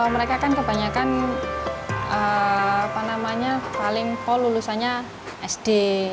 mereka kan kebanyakan paling pol lulusannya sd